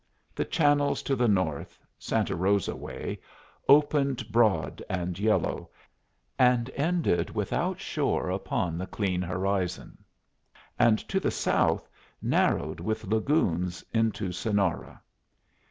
The channels to the north, Santa Rosa way, opened broad and yellow, and ended without shore upon the clean horizon, and to the south narrowed with lagoons into Sonora.